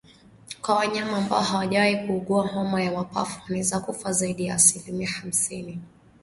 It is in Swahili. Kwa wanyama ambao hawajawahi kuugua homa ya mapafu wanaweza kufa zaidi ya asilimia hamsini